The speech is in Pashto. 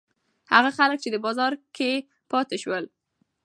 هغه خلک چې په بازار کې پاتې شول.